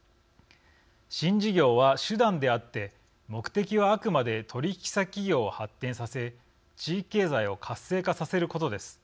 新事業は手段であって目的はあくまで取引先企業を発展させ地域経済を活性化させることです。